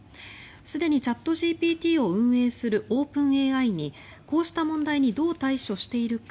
すでにチャットＧＰＴを運営するオープンＡＩにこうした問題にどう対処しているか